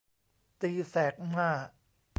ตีแสกหน้า